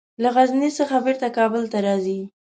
له غزني څخه بیرته کابل ته ځي.